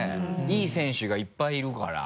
いい選手がいっぱいいるから。